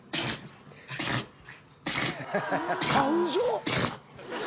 花粉症？